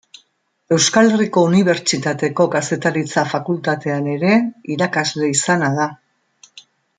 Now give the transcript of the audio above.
Euskal Herriko Unibertsitateko Kazetaritza Fakultatean ere irakasle izana da.